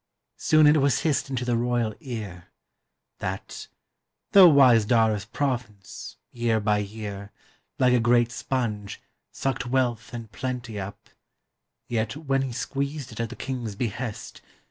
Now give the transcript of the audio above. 378 DARA Soon it was hissed into the royal ear, That, though wise Dara's province, year by year, Like a great sponge, sucked wealth and pk nty up, Yet, when he squeezed it at the king's behest.